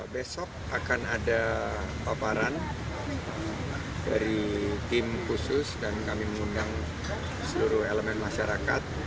besok akan ada paparan dari tim khusus dan kami mengundang seluruh elemen masyarakat